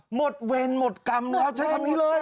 หมดเวรหมดกรรมแล้วใช้คำนี้เลย